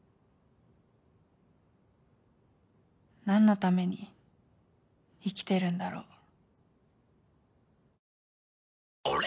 「何のために生きてるんだろう」。